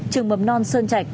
trường mầm non sơn trạch